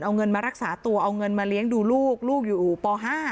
เอาเงินมารักษาตัวเอาเงินมาเลี้ยงดูลูกลูกอยู่ป๕